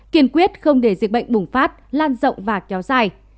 kiên quyết không để dịch bệnh bùng phát lan rộng và kéo dài